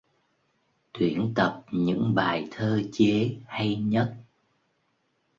Tuyển tập những bài thơ chế hay nhất